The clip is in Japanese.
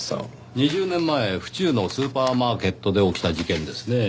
２０年前府中のスーパーマーケットで起きた事件ですねぇ。